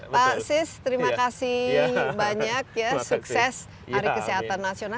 pak sis terima kasih banyak ya sukses hari kesehatan nasional